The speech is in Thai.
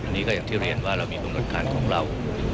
อันนี้ก็อย่างที่เรียนว่าเรามีกำหนดการของเรา